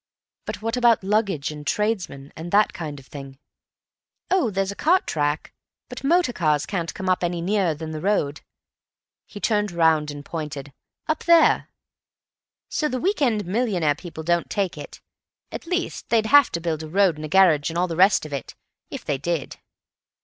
"But what about luggage and tradesmen and that kind of thing?" "Oh, there's a cart track, but motor cars can't come any nearer than the road"—he turned round and pointed—"up there. So the week end millionaire people don't take it. At least, they'd have to build a road and a garage and all the rest of it, if they did."